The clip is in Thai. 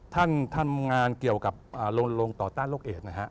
ท่านทำงานเกี่ยวกับโรงต่อต้านโรคเอดนะฮะ